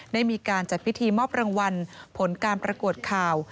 ได้มีการจัดพิธีมอบรางวัลผลการประกวดข่าว